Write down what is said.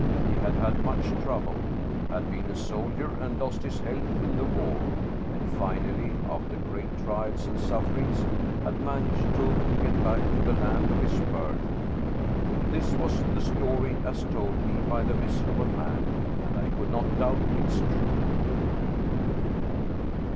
He had had much trouble, had been a soldier and lost his health in the war, and finally, after great trials and sufferings, had managed to get back to the land of his birth. This was the story as told me by the miserable man, and I could not doubt its truth.